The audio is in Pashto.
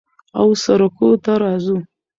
او سروکو ته راځو